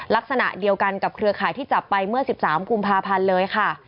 ลักษณะเดียวกันกับเครือข่ายที่จับไปเมื่อ๑๓กุมภาพันธ์เลยค่ะ